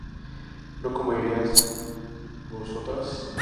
¿no comeríais vosotras?